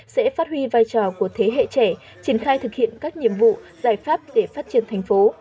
sẽ phát huy vai trò của thế hệ trẻ triển khai thực hiện các nhiệm vụ giải pháp để phát triển thành phố